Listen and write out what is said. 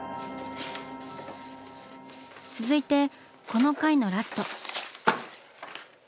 続いてこの回のラスト。